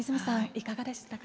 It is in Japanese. いかがでしたか？